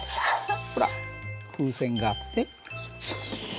ほら風船があって。